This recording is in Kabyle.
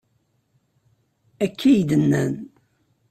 Akka iy-d-nnan.